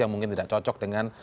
yang mungkin tidak cocok dengan